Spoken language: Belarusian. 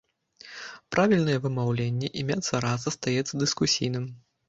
Правільнае вымаўленне імя цара застаецца дыскусійным.